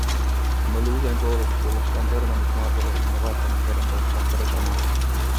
Hän oli usein koulusta tullessaan törmännyt naapureihin ja vaihtanut heidän kanssaan pari sanaa.